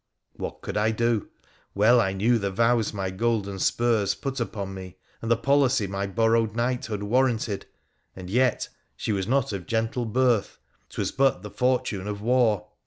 What could I do ? Well I knew the vows my golden spurs put upon me, and the policy my borrowed knighthood warranted— and yet, she was not of gentle birth — 'twas but the fortune of war.